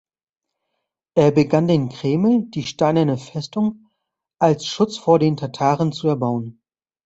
Er begann den Kreml, die steinerne Festung, als Schutz vor den Tataren zu erbauen.